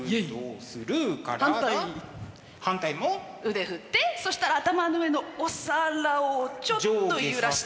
腕振ってそしたら頭の上のお皿をちょっと揺らして。